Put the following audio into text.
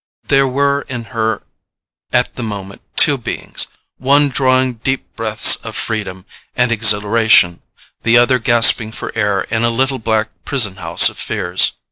There were in her at the moment two beings, one drawing deep breaths of freedom and exhilaration, the other gasping for air in a little black prison house of fears.